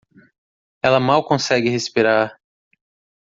Ela mal consegue respirar